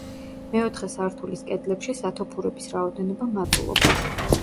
მეოთხე სართულის კედლებში სათოფურების რაოდენობა მატულობს.